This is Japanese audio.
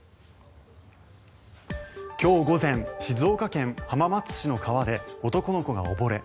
今日午前静岡県浜松市の川で男の子が溺れ